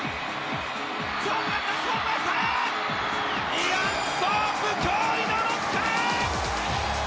イアン・ソープ驚異の６冠！